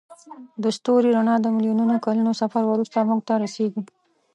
د ستوري رڼا د میلیونونو کلونو سفر وروسته موږ ته رسیږي.